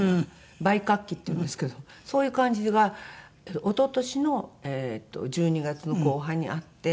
梅核気っていうんですけどそういう感じが一昨年の１２月の後半にあって。